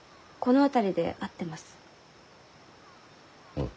うん？